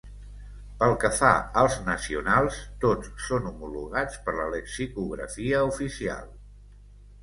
Pel que fa als nacionals, tots són homologats per la lexicografia oficial.